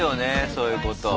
そういうこと。